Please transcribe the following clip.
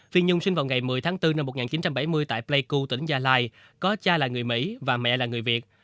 phi nhung sinh vào ngày một mươi tháng bốn năm một nghìn chín trăm bảy mươi tại pleiku tỉnh gia lai có cha là người mỹ và mẹ là người việt